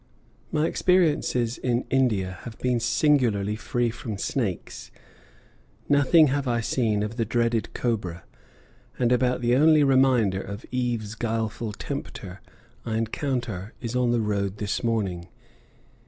My experiences in India have been singularly free from snakes; nothing have I seen of the dreaded cobra, and about the only reminder of Eve's guileful tempter I encounter is on the road this morning.